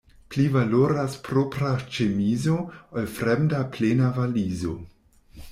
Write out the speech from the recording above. Pli valoras propra ĉemizo, ol fremda plena valizo.